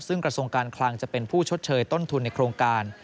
ซึ่งกระทรวงการคลังจะเป็นผู้ชดเชยต้นทุนในโครงการ